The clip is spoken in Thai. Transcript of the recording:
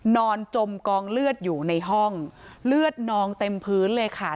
นอนจมกองเลือดอยู่ในห้องเลือดนองเต็มพื้นเลยค่ะ